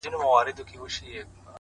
ستا د څوڼو ځنگلونه زمـا بــدن خـوري.